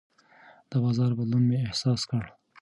د بازار بدلون مې احساس کړ.